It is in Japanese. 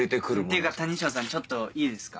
っていうか谷ショーさんちょっといいですか？